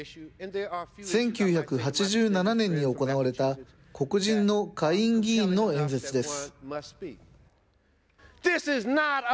１９８７年に行われた黒人の下院議員の演説です。